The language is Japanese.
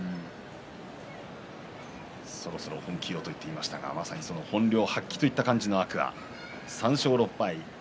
そろそろ本気をと言っていましたが本領発揮という感じの天空海３勝６敗。